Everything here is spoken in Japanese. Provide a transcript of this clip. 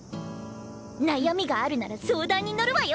悩みがあるなら相談にのるわよ。